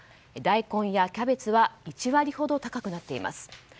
大根やキャベツは１割ほど高くなっています。